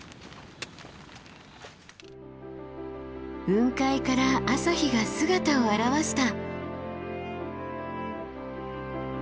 雲海から朝日が姿を現した。